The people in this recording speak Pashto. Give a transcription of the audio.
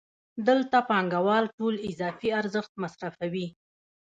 دلته پانګوال ټول اضافي ارزښت مصرفوي